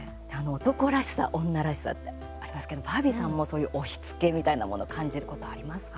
男らしさ、女らしさってありますけど、バービーさんもそういう押しつけみたいなもの感じることありますか？